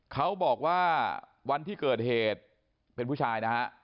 เขาบอกว่าวันที่เกิดเหตุเป็นผู้ชายนะฮะ